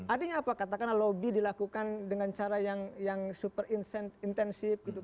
adanya apa katakanlah lobby dilakukan dengan cara yang super intensif gitu